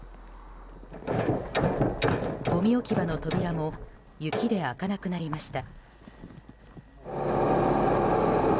ごみ置き場の扉も雪で開かなくなりました。